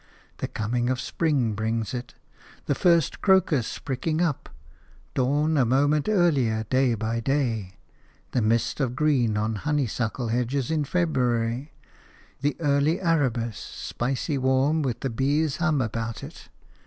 The coming of spring brings it – the first crocus pricking up, dawn a moment earlier day by day, the mist of green on honeysuckle hedges in February, the early arabis, spicily warm, with the bees' hum about it.